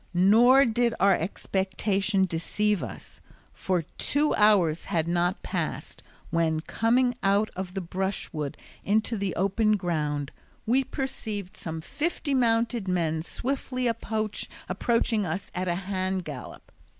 Nor did our expectation deceive us, for two hours had not passed when, coming out of the brushwood into the open ground, we perceived some fifty mounted men swiftly approaching us at a hand gallop.